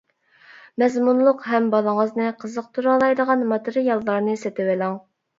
مەزمۇنلۇق ھەم بالىڭىزنى قىزىقتۇرالايدىغان ماتېرىياللارنى سېتىۋېلىڭ.